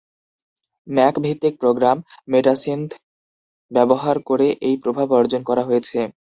ম্যাক-ভিত্তিক program MetaSynth ব্যবহার করে এই প্রভাব অর্জন করা হয়েছে।